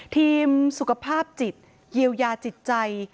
ทีมสุขภาพจิตเยียวยาจิตใจ